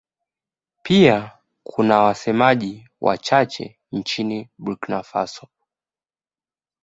Pia kuna wasemaji wachache nchini Burkina Faso.